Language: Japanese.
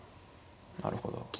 なるほど。